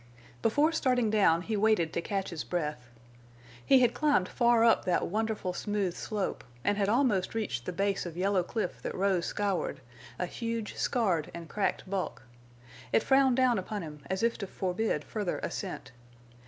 Before starting down he waited to catch his breath. He had climbed far up that wonderful smooth slope, and had almost reached the base of yellow cliff that rose skyward, a huge scarred and cracked bulk. It frowned down upon him as if to forbid further ascent.